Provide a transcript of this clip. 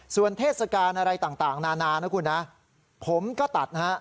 ส่วนเทศกาลอะไรต่างนานานะคุณนะผมก็ตัดนะฮะ